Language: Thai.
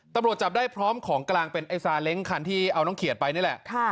ตำรวจจับได้พร้อมของกลางเป็นไอ้ซาเล้งคันที่เอาน้องเขียดไปนี่แหละ